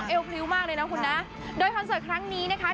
พริ้วมากเลยนะคุณนะโดยคอนเสิร์ตครั้งนี้นะคะ